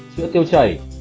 chữa tiêu chảy